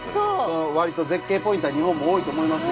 わりと絶景ポイントは日本も多いと思いますよ。